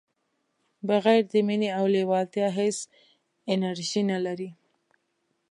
بغیر د مینې او لیوالتیا هیڅ انرژي نه لرئ.